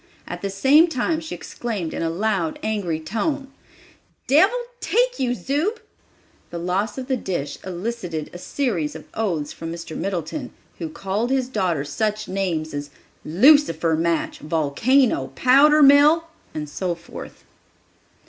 At the same time she exclaimed in a loud, angry tone, "Devil take you, Zube!" The loss of the dish elicited a series of oaths from Mr. Middleton, who called his daughter such names as "lucifer match," "volcano," "powder mill," and so forth.